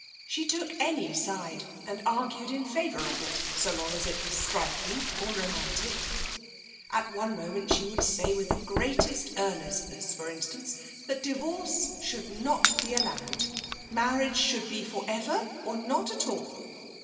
She took any side and argued in favour of it so long as it was striking or romantic. At one moment she would say with the greatest earnestness, for instance, that divorce should not be allowed. Marriage should be for ever, or not at all.